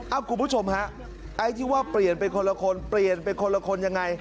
คุณผู้ชมฮะไอ้ที่ว่าเปลี่ยนไปคนละคนเปลี่ยนไปคนละคนยังไง